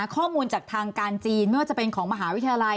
ข้อมูลจากทางการจีนไม่ว่าจะเป็นของมหาวิทยาลัย